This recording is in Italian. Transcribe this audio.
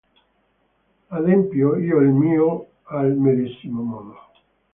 Adempio io il mio al medesimo modo.